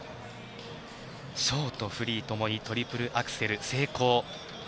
ショート、フリー共にトリプルアクセル成功。